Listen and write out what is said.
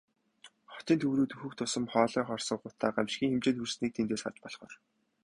Хотын төв рүү дөхөх тусам хоолой хорсгох утаа гамшгийн хэмжээнд хүрснийг тэндээс харж болохоор.